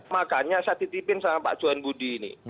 makanya saya titipin sama pak johan budi ini